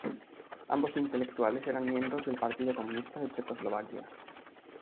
Ambos intelectuales eran miembros del Partido Comunista de Checoslovaquia.